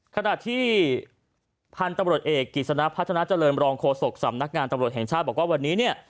ขณะที่พันธุ์ตำรวจเอกกิจสนะพัฒนาเจริญรองโฆษกสำนักงานตำรวจแห่งชาติบอกว่าวันนี้เนี่ย